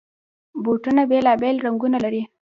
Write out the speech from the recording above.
بوټونه بېلابېل رنګونه لري.